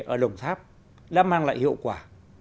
ở đồng tháp đã mang lại hiệu quả